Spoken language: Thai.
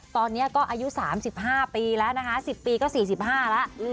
ตอนนี้ก็อายุ๓๕ปีแล้วนะคะ๑๐ปีก็๔๕แล้ว